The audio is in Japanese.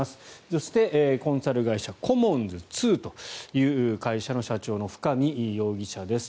そして、コンサル会社コモンズ２という会社の社長の深見容疑者です。